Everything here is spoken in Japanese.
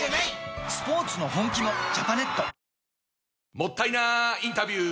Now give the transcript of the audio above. もったいなインタビュー！